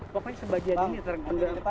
pokoknya sebagian ini tergelap